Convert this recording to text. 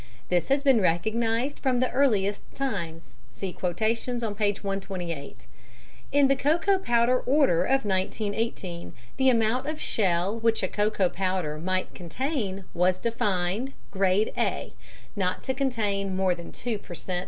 This has been recognised from the earliest times (see quotations on p. 128). In the Cocoa Powder Order of 1918, the amount of shell which a cocoa powder might contain was defined grade A not to contain more than two per cent.